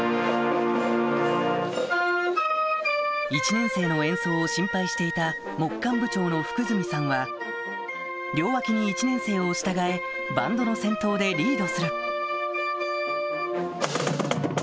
１年生の演奏を心配していた両脇に１年生を従えバンドの先頭でリードする